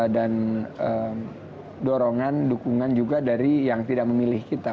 dan dorongan dukungan juga dari yang tidak memilih kita